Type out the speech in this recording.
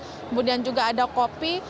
kemudian juga ada kopi